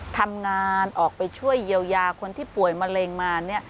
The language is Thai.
ทำงานออกไปช่วยเยียวยาคนที่ป่วยมะเร็งมา